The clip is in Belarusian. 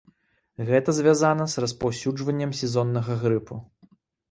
Гэта звязана з распаўсюджваннем сезоннага грыпу.